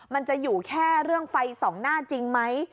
มันจะอยู่แค่เรื่องไฟส่องหน้าจริงไหม